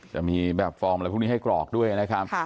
จะมีแบบฟอร์มอะไรพวกนี้ให้กรอกด้วยนะครับ